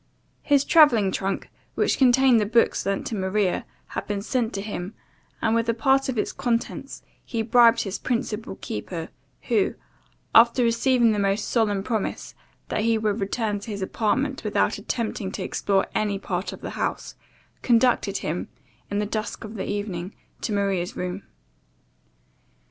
His travelling trunk, which contained the books lent to Maria, had been sent to him, and with a part of its contents he bribed his principal keeper; who, after receiving the most solemn promise that he would return to his apartment without attempting to explore any part of the house, conducted him, in the dusk of the evening, to Maria's room.